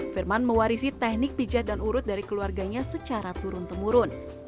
firman mewarisi teknik pijat dan urut dari keluarganya secara turun temurun